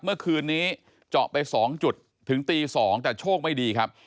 เมื่อคืนนี้เจาะไป๒จุดถึงตี๒แต่โชคไม่ดีครับ